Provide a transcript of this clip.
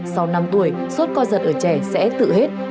sau năm tuổi sốt co giật ở trẻ sẽ tự hết